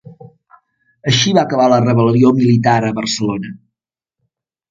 Així va acabar la rebel·lió militar a Barcelona.